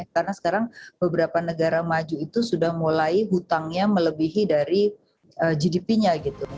karena sekarang beberapa negara maju itu sudah mulai hutangnya melebihi dari gdp nya